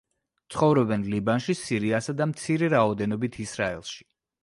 ცხოვრობენ ლიბანში, სირიასა და მცირე რაოდენობით ისრაელში.